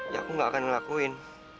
ya aku nggak akan ngelakuin